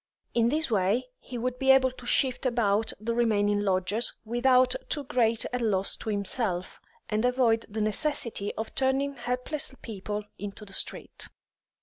In this way he would be able to shift about the remaining lodgers without too great a loss to himself, and avoid the necessity of turning helpless people into the street.